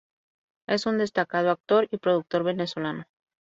Es un destacado actor y productor venezolano.